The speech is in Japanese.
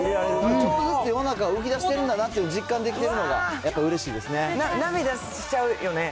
ちょっとずつ世の中動きだしてるんだなって実感できてるのがやっ涙しちゃうよね。